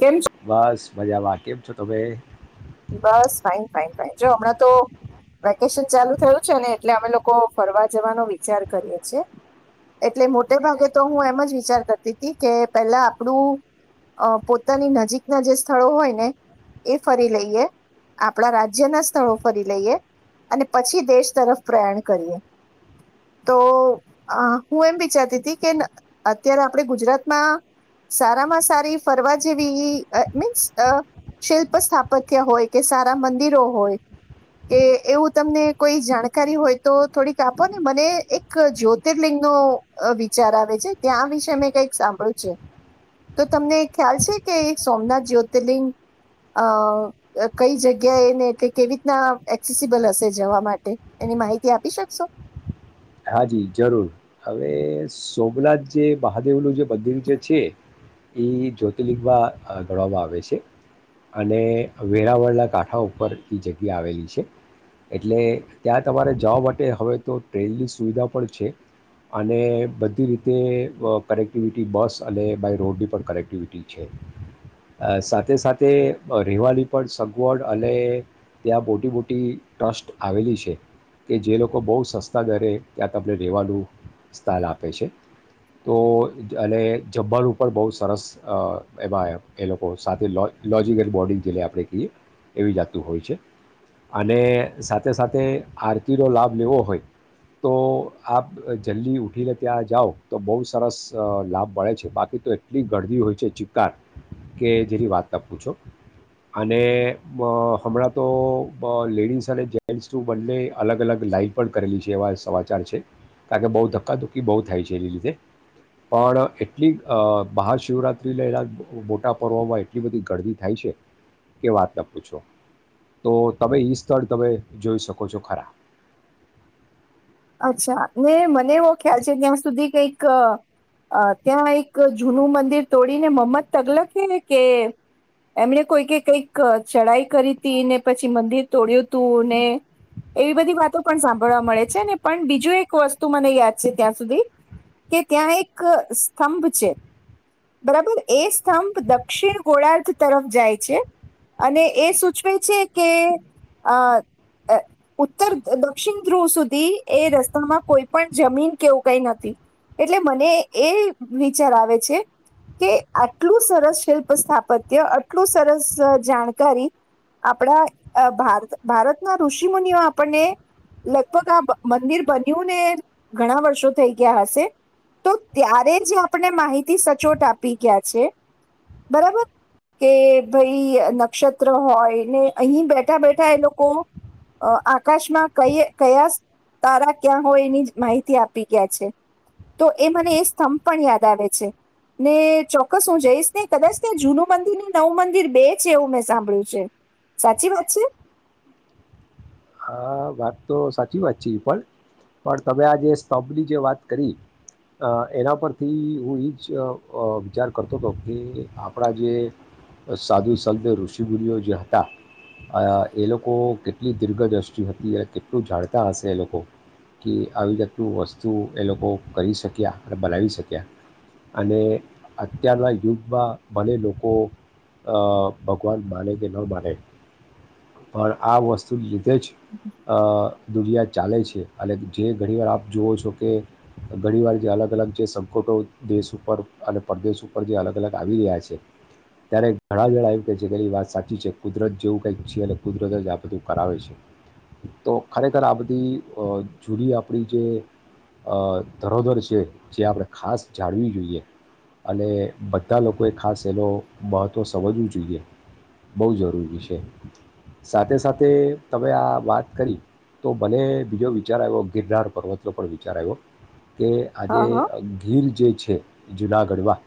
કેમ છો? બસ મજામાં કેમ છો? તમે? બસ ફાઇન-ફાઇન-ફાઈન. જો હમણાં તો વેકેશન ચાલુ થયું છે ને એટલે અમે લોકો ફરવા જવાનો વિચાર કરીએ છીએ એટલે મોટે ભાગે તો હું એમ જ વિચાર કરતી તી કે પેલા આપડું અહ પોતાની નજીકના જે સ્થળો હોય ને એ ફરી લઈ. એ આપણા રાજ્યના સ્થળો ફરી લઈએ, અને પછી દેશ તરફ પ્રયાણ કરીએ. તો અહ હું એમ વિચારતી તી કે અત્યારે આપણે ગુજરાતમાં સારામાં સારી ફરવા જેવી અહ મીન્સ અહ શિલ્પ સ્થાપ [unintelligible] હોય, કે સારા મંદિરો હોય, કે એવું તમને કોઈ જાણકારી હોય તો થોડીક આપો ને, મને એક જ્યોતિર્લિંગ નો અહ વિચાર આવે છે, ત્યાં આ વિશે મેં કંઈક સાંભળ્યું છે. તો તમને ખ્યાલ છે કે એક સોમનાથ જ્યોતિર્લિંગ અહ કઈ જગ્યા એ ને એટલે કેવી રીતના એક્સેસિબલ હશે જવા માટે, એની માહિતી આપી શકશો? હા જી જરૂર. હવે સોમનાથ જે મહાદેવનું જે મંદિર જે છે એ જ્યોતિર્લિંગમાં અહ ઘડવામાં આવે છે, અને વેરાવળના કાંઠા ઉપર ઈ જગ્યા આવેલી છે, એટલે ત્યાં તમારે જવા માટે હવે તો ટ્રેનની સુ વિધા પણ છે, અને બધી રીતે અહ કનેક્ટિવિટી બસ અને બાય રોડની પણ કનેક્ટિવિટી છે. અહ સાથે-સાથે રેવાની પણ સગવડ અને ત્યાં મોટી-મોટી ટ્રસ્ટ આવેલી છે કે જે લોકો બહુ સસ્તા દરે ત્યાં તમને રહેવાનું સ્થાન આપે છે. તો અને જમવાનું પણ બહુ સરસ એમાં એ લોકો સાથે લો લોજિકલ બોડિંગ જેને આપણે કહીએ એવી જાતનું હોય છે, અને સાથે-સાથે આરતીનો લાભ લેવો હોય તો આપ જલ્દી ઊઠીને ત્યાં જાઓ તો બહુ સરસ અહ લાભ મળે છે, બાકી તો એટલી ગળદી હોય છે ચિત્કાર કે જેની વાતના પૂછો, અને અહ હમણાં તો લેડીઝ અને જેન્ટ્સનું બંને અલગ-અલગ લાઈન પણ કરેલી છે એવા સમાચાર છે કારણ કે બહુ ધક્કાધુકી બહુ થાય છે એને લીધે, પણ એટલી અહ મહાશિવરાત્રી [unintelligible] મોટા પર્વમાં એટલી બધી ગરદી થાય છે કે વાતના પૂછો. તો તમે ઈ સ્થળ તમે જોઈ શકો છો ખરા. અચ્છા ને મને એવો ખ્યાલ છે ત્યાં સુધી કઈક અહ ત્યાં એક જૂનું મંદિર તોડીને [unintelligible] કે એમને કોઈકે કઈક ચઢાઈ કરી તી ને પછી મંદિર તોડયું તું ને, એવી બધી વાતો પણ સાંભળવા મળે છે ને પણ બીજું એક વસ્તુ મને યાદ છે ત્યાં સુધી, કે ત્યાં એક સ્તંભ છે બરાબર, એ સ્તંભ દક્ષિણ ગોળાર્ધ તરફ જાય છે, અને એ સૂચવે છે કે અહ ઉત્તર દક્ષિણ ધ્રુવ સુધી એ રસ્તામાં કોઈ પણ જમીન કે એવું કઈ નથી એટલે મને એ વિચાર આવે છે કે આટલું સરસ શિલ્પ સ્થાપત્ય, આટલું સરસ જાણકારી આપણા ભારત ભારતના ઋષિ મુુનિઓ આપણને લગભગ આ મંદિર બન્યું ને ઘણા વર્ષો થઈ ગયા હશે, તો ત્યારે જે આપણને માહિતી સચોટ આપી ગયા છે બરાબર, કે ભાઈ નક્ષત્ર હોય ને અહી બેઠા બેઠા એ લોકો આકાશમાં કયે કયા તારા ક્યાં હોય એની માહિતી આપી ગયા છે. તો એ મને એ સ્તંભ પણ યાદ આવે છે. ને ચોક્કસ હું જઈશ ને કદાચ ત્યા જૂનું મંદિરને નવું મંદિર બે છે એવું મેં સાંભળ્યું છે, સાચી વાત છે? હા વાત તો સાચી વાત છે ઈ પણ. પણ તમે આ જે સ્તંભની જે વાત કરી અહ એના પરથી હું ઈજ અહ વિચાર કરતો તો કે આપણા જે સાધુ સંત ઋષિમુનિઓ જે હતા અહ એ લોકો કેટલી દીર્ઘદ્ર [unintelligible] હતી અને કેટલું જાણતા હશે એ લોકો, કે આવી [unintelligible] વસ્તુ એ લોકો કરી શક્યા અને બનાવી શક્યા, અને અત્યારના યુગમાં ભલે લોકો અહ ભગવાન માને કે ન માને પણ આ વસ્તુ લીધે જ અહ દુનિયા ચાલે છે, અને જે ઘણીવાર આપ જુવો છો કે ઘણીવાર જે અલગ-અલગ જે સંકોટો દેશ ઉપર અને પરદેશ ઉપર જે અલગ-અલગ આવી રહ્યા છે, ત્યારે ઘણા [unintelligible] એવું કહે છે કે એની વાત સાચી છે, કુદરત જેવું કંઈક છે અને કુદરત જ આ બધું કરાવે છે. તો ખરેખર આ બધી અહ જૂની આપણી જે અહ ધરોધર છે, જે આપણે ખાસ જાળવી જોઈએ અને બધા લોકોએ ખાસ એનો મહત્ત્વ સમજવું જોઈએ, બહુ જરૂરી છે. સાથે-સાથે તમે આ વાત કરી તો મને બીજો વિચાર આયવો ગિરનાર પર્વતનો પણ વિચાર આયવો. કે આજે હા હા ગીર જે છે છે જૂનાગઢમાં,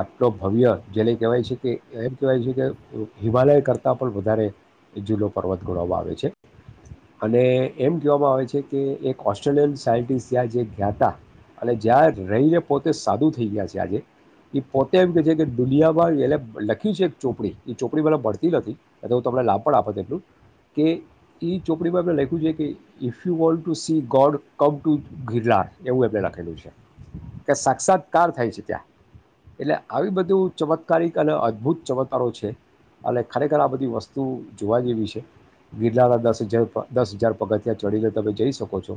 આટલો ભવ્ય જેને કહેવાય છે કે એમ કહેવાય છે કે હિ હિમાલય કરતાં પણ વધારે જૂનો પર્વત ગણવામાં આવે છે. અને એમ કહેવામાં આવે છે કે એક ઓસ્ટ્રેલિયન સાયન્ટિસ્ટ જ્યાં જે ગ્યા તા અને જ્યાં રહીને પોતે સાધું થઈ ગયા છે આજે, એ પોતે એમ કે છે કે દુનિયામાં એને લખ્યું છે એક ચોપડી એ ચોપડી મને મળતી નથી, નહીતર હું તમને લાભ પણ આપત એટલું. કે ઈ ચોપડીમાં એમણે લખ્યું છે કે if you want to see God come to Girnar એવું એમને લખેલું છે. કે સાક્ષાત્કાર થાય છે ત્યાં. એટલે આવી બધું ચમત્કારિક અને અદભુત ચમત્કારો છે અને ખરેખર આ બધી વસ્તુ જોવા જેવી છે. [unintelligible] દસ હજાર પગથિયાં ચડીને તમે જઈ શકો છો,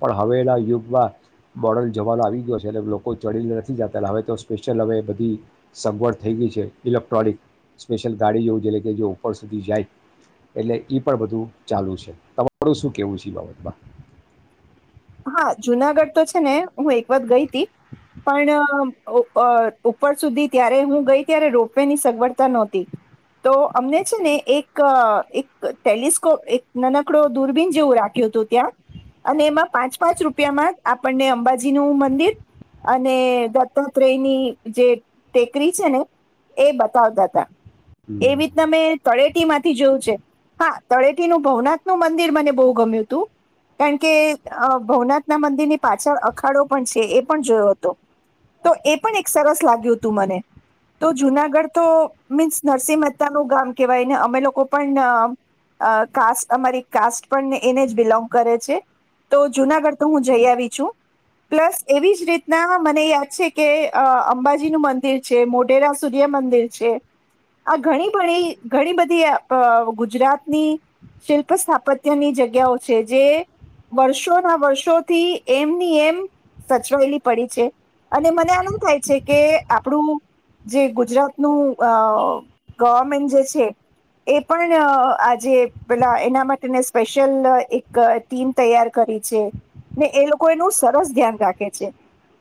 પણ હવેના યુગમાં મોર્ડન જમાનો આવી ગયો છે એટલે લોકો ચડીને નથી જતા, એટલે હવે તો સ્પેશિયલ હવે બધી સગવડ થઈ ગઈ છે. ઇલેક્ટ્રોનિક સ્પેશિયલ ગાડી જેવું જે એટલે કે જે ઉપર સુધી જાય એટલે ઈ પણ બધું ચાલુ છે. તમારું શું કેવું છે એ બાબતમાં? હા જુનાગઢ તો છે ને હું એક વાર ગઈ તી પણ ઉપર સુધી ત્યારે હું ગઈ ત્યારે રોપવે ની સગવડતા નહોતી, તો અમને છે ને એક ટેલિસ્કોપ એકન આપકડું દૂરબીન જેવું રાખ્યું હતું ત્યાં, અને એમાં પાંચ પાંચ રૂપિયામાં આપણને અંબાજી નું મંદિર, અને દત્તાત્રેય ની જે ટેકરી છે ને એ બતાવતા હતા. એ હમ રીતના મેં તળ માંથી જોયું છે, હા તળેટી નું ભવના મંદિર મને બહુ ગમ્યું હતું, કારણ કે ભવનાથ ના મંદિરની પાછળ અખાડો પણ છે એ પણ જોયો હતો, તો એ પણ એક સરસ લાગ્યું હતું મને, તો જુનાગઢ તો મીન્સ નરસિંહ મતા નું ગામ કહેવાયને અમે લોકો પણ કાસ તમારી કાસ્ટ પણને એને જ બિલોંગ કરે છે, તો જુનાગઢ તો હું જઈ આવી છું, પ્લસ એવી જ રીતના મને યાદ છે કે અંબાજીનું મંદિર છે મોઢેરા સૂર્ય મંદિર છે, આ ઘણી બણી ઘણી બધી ગુજરાતની શિલ્પ સ્થાપત્યની જગ્યાઓ છે જે, વર્ષોના વર્ષોથી એમ ની એમ સચવાયેલી પડી છે, અને મને આન થાય છે કે આપણું જે, ગુજરાતનું અ ગવર્મેન્ટ જે છે, એ પણ આજે પેલા એના માટેને સ્પેશિયલ એક ટીમ તૈયાર કરી છે, ને એ લોકો એનું સરસ ધ્યાન રાખે છે,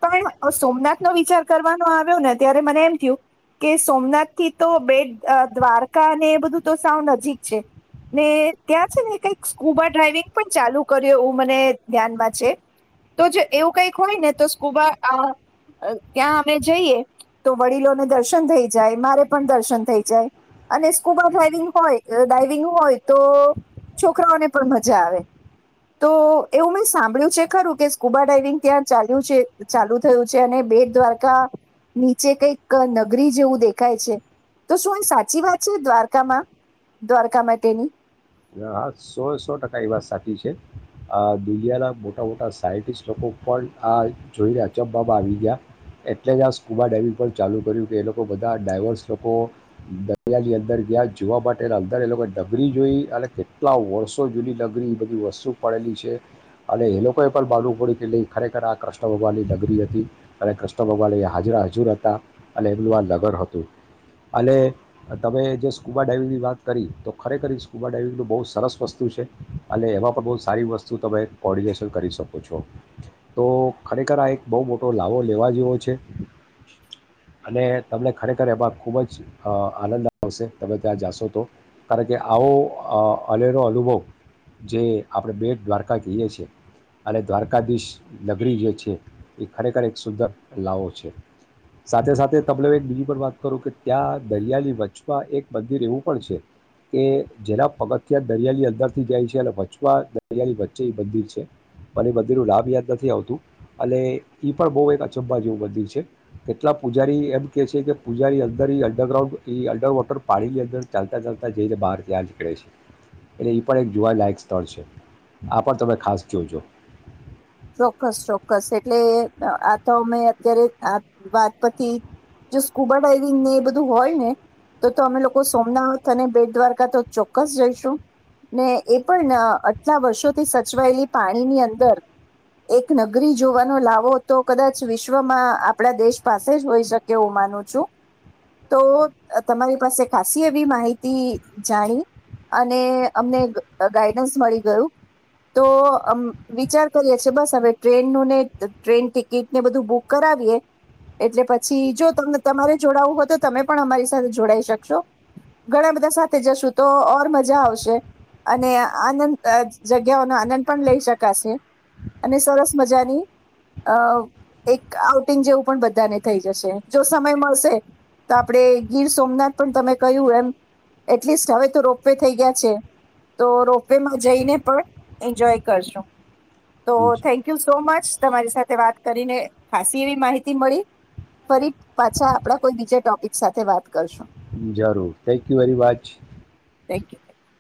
પણ સોમનાથ નો વિચાર કરવાનો આવ્યો ને ત્યારે મને એમ થયું, કે સોમનાથથી તો બે દ્વારકા અને એ બધું તો સાવ નજીક છે. ને ત્યાં છે ને કઈક સ્કૂબા ડ્રાાઈવિંગ પણ ચાલુ કર્યું એવું મને ધ્યાનમાં છે, તો જો એવું કંઈક હોય ને તો સ્કુબા ત્યાં અમે જઈએ તો વડીલોને દર્શન થઈ જાય મારે પણ દર્શન થઈ જાય, અને સ્કૂબા ડ્રાઈવિંગ હોય ડાવિંગ હોય તો છોકરાઓને પણ મજા આવે, તો એવું મેં સાંભળ્યું છે ખરું કે સ્કૂબા ડઇવિંગ ત્યાં ચાલ્યું છે ચાલુ થયું છે અને બે દ્વારકા, નીચે કઈક નગરી જેવું દેખાય છે તો શું સાચી વાત છે, દ્વારકામાં દ્વારકા માટેની હા સો સો ટકા એ વાત સાચી છે, દુનિયાના મોટા મોટા સાયન્ટિસ્ટ લોકો પણ આ જોઈને અચંબામાં આવી ગયા એટલે જ આ સ્કુબા ડાઈવિંગ પણ ચાલુ કર્યું કે એ લોકો બધા ડાઈવર્સ લોકો દરિયાની અંદર ગયા જોવા માટે અંદર એ લોકો ડગરી જોઈ અને કેટલા વર્ષો જુની લગરી એ બધી વસ્તુ પડેલી છે, અને એ લોકોએ પણ માનવું પડ્યું કે નહી ખરેખર આ કૃષ્ણ ભગવાનની લગરી હતી અને કૃષ્ણ ભગવાન એ હાજરા હાજુર હતા, અને એમનું આ નગર હતું અને તમે જે સ્કૂબા ડાાઈવિંગની વાત કરી તો ખરેખર સ્કૂબા ડાઈવિંગનું બહુ સરસ વસ્તુ છે અને એમાં પણ બહુ સારી વસ્તુ તમે કોર્ડિનેશન કરી શકો છો, તો ખરેખર આ એક બહુ મોટો લાવો લેવા જેવો છે, અને તમને ખરેખર એમાં ખૂબ જ આનંદ આવશે તમે ત્યાં જાશો તો, કારણ કે આવો અલેરો અનુભવ, જે આપણે બેટ દ્વારકા કહીએ છ છેીએ, અને દ્વારકાધીશ નગરી જે છે, એ ખરેખર એક સુંદર લાવો છે. સાથે સાથે તબલ એક બીજી પણ વાત કરું કે ત્યાં દરિયાની વચચમાં એક મંદિર એવું પણ છે કે જેના પગથ ત્યાં દરિયાની અંદરથી જાય છે અને વચવા દરિયાળ વચ્ચે એ મંદિર છે મને મંદિરનું લાભ યાદ નથી આવતું અને એ પણ બહુ એક અચંબા જેવું મંદિર છે કેટલાક પૂજારી એમ કેહે છે કે પૂજારી અંદર એ અંડરગ્રાઉન્ડ એ અંડર વોટર પાણીની અંદર ચાલતા ચાલતા જઈને બહાર ત્યાં નીકળે છે. એટલે એ પણ એક જોવાલાયક સ્થળ છે, આ પણ તમે ખાસ જોજો. ચોક્કસ ચોક્કસ એટલે આ તો અમે અત્યારે આ વાત પછી, જો સ્કુબા ડાઈવિંગ ને એ બધું હોય ને તો, તો અમે લોકો સોમનાથથ અને બેટ દ્વારકા તો ચોક્કસ જઈશું, ને એ પણ આટલા વર્ષોથી સચવાયેલી પાણીની અંદર એક નગરી જોવાનો લાવો તો કદાચ વિશ્વમાં આપણા દેશ પાસે જ હોઈ શકે હું માનું છું, તો તમારી પાસે ખાસી એવી માહિતી જાણી, અને અમને ગાઈડન્સ મળી ગયું, તો વિચાર કરીએ છે બસ હવે ટ્રેન નું ને ટ્રેન ટિકિટ ને બધું બુક કરાવીએ, એટલે પછી જો ત તમારે જોડાવું હોય તો તમે પણ અમારી સાથે જોડાઈ શકશો, ઘણા બધા સાથે જશો તો ઓર મજા આવશે, અને આનંદ જગ્યાઓનો આનંદ પણ લઈ શકાશે. અને સરસ મજાની અ એક આઉટિંગ જેવું પણ બધાને થઈ જશે, જો સમય મળશે, તો આપણેે ગીર સોમનાથ પણ તમે કહ્યું એમ, એટલીસ્ટ હવે તો રોપવે થઈ ગયા છે, તો રોપવે માં જઈને પણ એન્જોય કરજો. તો થેન્ક યુ સો મચ. તમારી સાથે વાત કરીને ખાસી એવી માહિતી મળી, ફરી પાછા આપડા કોઈ બીજા ટોપિક સાથે વાત કરશું. જરૂર thank you very much. Thank you thank you.